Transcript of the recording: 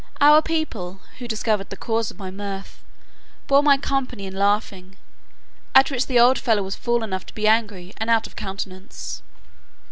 Our people, who discovered the cause of my mirth, bore me company in laughing, at which the old fellow was fool enough to be angry and out of countenance.